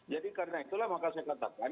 jadi karena itulah maka saya katakan